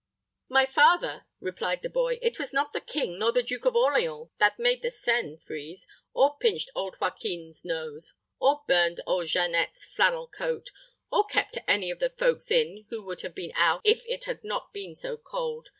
"My father," replied the boy, "it was not the king nor the Duke of Orleans that made the Seine freeze, or pinched old Joaquim's nose, or burned old Jeannette's flannel coat, or kept any of the folks in who would have been out if it had not been so cold.